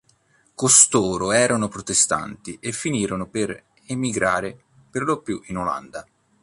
Costoro erano protestanti e finirono per emigrare, perlopiù in Olanda.